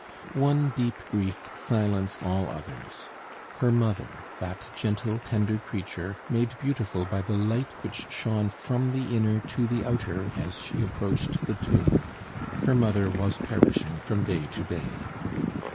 One deep grief silenced all others. Her mother, that gentle, tender creature, made beautiful by the light which shone from the inner to the outer as she approached the tomb, her mother was perishing from day to day.